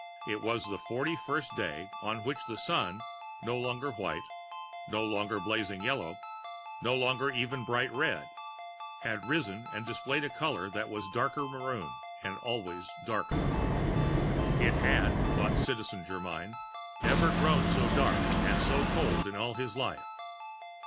It was the forty first day on which the Sun no longer white, no longer blazing yellow, no longer even bright red had risen and displayed a color that was darker maroon and always darker. It had, thought Citizen Germyn, never grown so dark and so cold in all of his life.